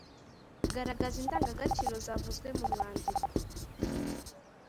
Garagaza indangagaciro zavuzwe mu mwandiko.